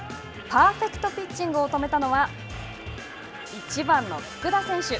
パーフェクトピッチングを止めたのは、１番の福田選手。